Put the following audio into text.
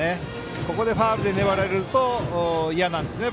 ここでファウルで粘られると嫌なんですよね